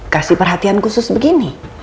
kasih perhatian khusus begini